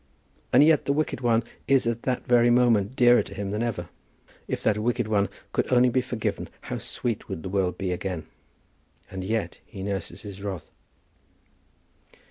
And yet the wicked one is at that very moment dearer to him than ever. If that wicked one could only be forgiven how sweet would the world be again! And yet he nurses his wrath.